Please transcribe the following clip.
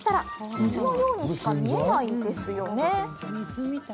水のようにしか見えないですよね？